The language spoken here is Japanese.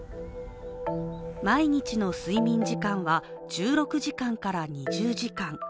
毎日の睡眠時間は１６時間から２０時間。